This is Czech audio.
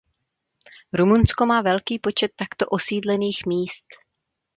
Rumunsko má velký počet takto osídlených míst.